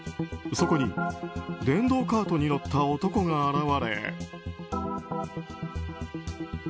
そこに電動カートに乗った男が現。